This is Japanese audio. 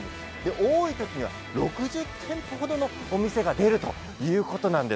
多い時には６０軒程のお店が出るということなんです。